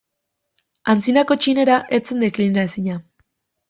Antzinako txinera ez zen deklinaezina.